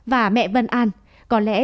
và mẹ vân an có lẽ